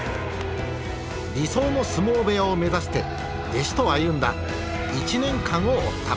理想の相撲部屋を目指して弟子と歩んだ１年間を追った。